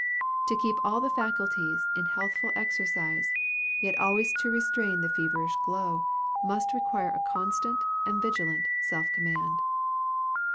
To keep all the faculties in healthful exercise, yet always to restrain the feverish glow, must require a constant and vigilant self command.